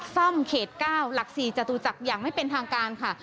ซ่อมเขต๙หลัก๔จตุจักรอย่างไม่เป็นทางการค่ะ